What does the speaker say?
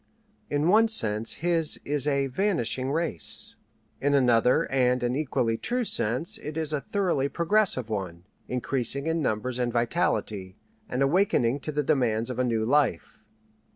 In one sense his is a "vanishing race." In another and an equally true sense it is a thoroughly progressive one, increasing in numbers and vitality, and awakening to the demands of a new life.